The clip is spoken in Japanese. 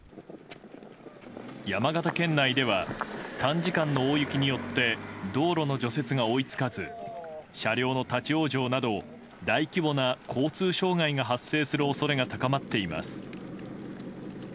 山形県内では短時間の大雪によって道路の除雪が追い付かず車両の立ち往生など大規模な交通障害が発生する恐れが高まっています。